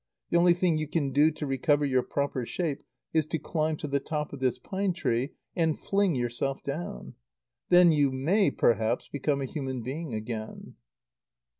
The only thing you can do to recover your proper shape is to climb to the top of this pine tree, and fling yourself down. Then you may, perhaps, become a human being again."